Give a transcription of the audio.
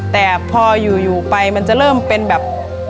แต่พออยู่ไปมันจะเริ่มเป็นแบบ